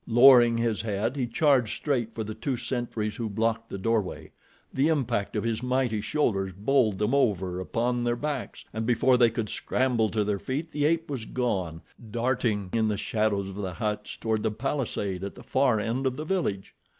Lowering his head, he charged straight for the two sentries who blocked the doorway. The impact of his mighty shoulders bowled them over upon their backs, and before they could scramble to their feet, the ape was gone, darting in the shadows of the huts toward the palisade at the far end of the village.